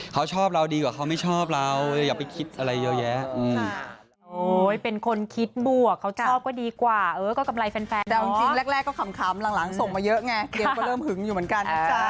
เขาชอบเราดีกว่าเขาไม่ชอบเราอย่าไปคิดอะไรเยอะแยะ